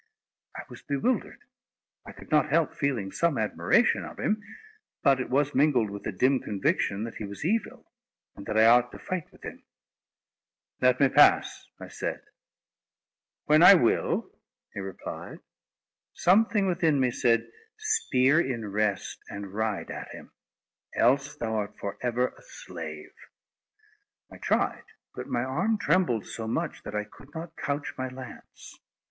I was bewildered. I could not help feeling some admiration of him, but it was mingled with a dim conviction that he was evil, and that I ought to fight with him. "Let me pass," I said. "When I will," he replied. Something within me said: "Spear in rest, and ride at him! else thou art for ever a slave." I tried, but my arm trembled so much, that I could not couch my lance.